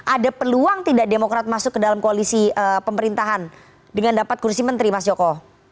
ada peluang tidak demokrat masuk ke dalam koalisi pemerintahan dengan dapat kursi menteri mas joko